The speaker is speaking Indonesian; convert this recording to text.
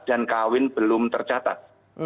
dan kawin belum tercatat